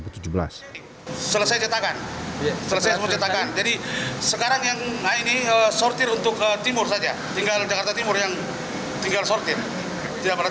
selesai cetakan jadi sekarang yang ini sortir untuk timur saja tinggal jakarta timur yang tinggal sortir